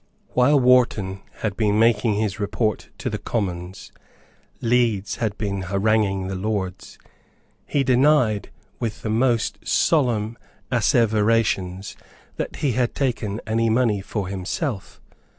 While Wharton had been making his report to the Commons, Leeds had been haranguing the Lords. He denied with the most solemn asseverations that he had taken any money for himself.